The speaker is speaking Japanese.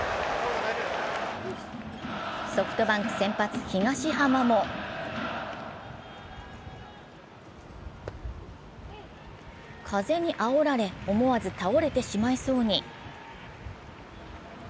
ソフトバンク先発・東浜も風にあおられ、思わず倒れてしまいそうに。